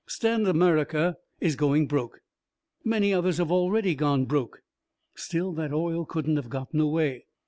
Stan America is going broke. Many others have already gone broke. Still, that oil couldn't have gotten away.